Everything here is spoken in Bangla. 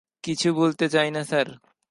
কিছু বলতে চাই না স্যার।